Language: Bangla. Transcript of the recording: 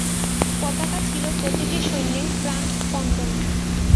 পতাকা ছিল প্রতিটি সৈন্যের প্রাণ-স্পন্দন।